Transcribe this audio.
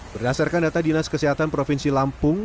berdasarkan data dinas kesehatan provinsi lampung